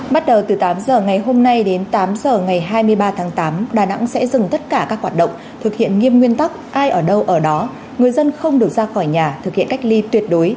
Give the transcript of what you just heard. bắt đầu từ tám giờ ngày hôm nay đến tám h ngày hai mươi ba tháng tám đà nẵng sẽ dừng tất cả các hoạt động thực hiện nghiêm nguyên tắc ai ở đâu ở đó người dân không được ra khỏi nhà thực hiện cách ly tuyệt đối